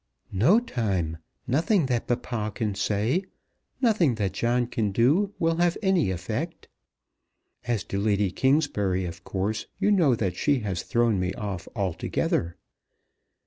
"No time; nothing that papa can say, nothing that John can do, will have any effect. As to Lady Kingsbury, of course you know that she has thrown me off altogether."